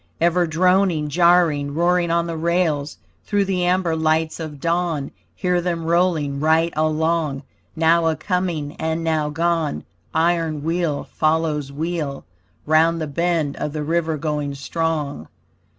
Ever droning, jarring, roaring on the rails Through the amber lights of dawn. Hear them rolling right along Now acoming and now gone, Iron wheel follows wheel, Round the bend of the river going strong.